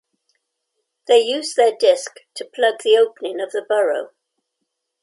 They use their disk to plug the opening of the burrow.